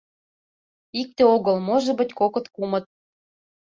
Икте огыл, может быть, кокыт-кумыт.